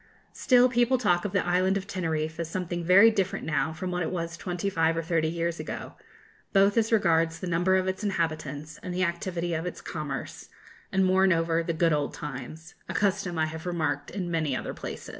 Still, people talk of the Island of Teneriffe as something very different now from what it was twenty five or thirty years ago, both as regards the number of its inhabitants and the activity of its commerce, and mourn over 'the good old times;' a custom I have remarked in many other places!